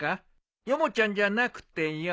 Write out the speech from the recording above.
ヨモちゃんじゃなくてよ。